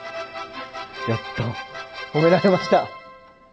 やった褒められました！